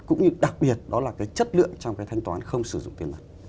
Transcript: cũng như đặc biệt đó là cái chất lượng trong cái thanh toán không sử dụng tiền mặt